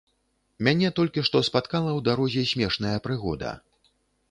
Мяне толькі што спаткала ў дарозе смешная прыгода.